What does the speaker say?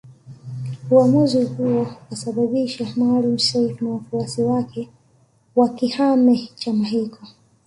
Uamuzi huo ukasababisha Maalim Self na wafuasi wake wakihame chama hicho